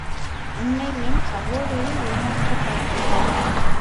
உன்னை என் சகோதரி ஏமாற்றப் பார்க்கிறாள்.